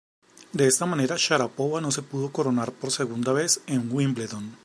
De esta manera Sharápova no se pudo coronar por segunda vez en Wimbledon.